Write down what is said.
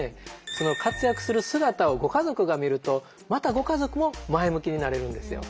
その活躍する姿をご家族が見るとまたご家族も前向きになれるんですよ。